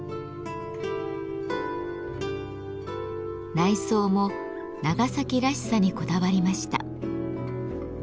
内装も「長崎らしさ」にこだわりました。